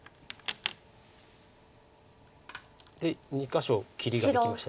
で２か所切りができました。